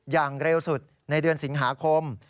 อย่างเร็วสุดในเดือนสิงหาคม